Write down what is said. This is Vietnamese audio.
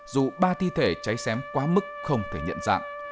dù ba thi thể cháy xém quá mức không thể nhận dạng